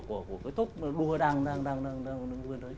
cái tốt đua đang